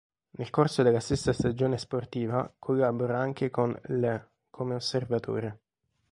Nel corso della stessa stagione sportiva collabora anche con l' come osservatore.